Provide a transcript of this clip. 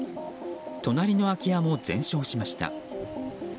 隣の空き家も全焼しました。